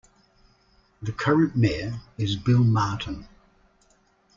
The current mayor is Bill Martin.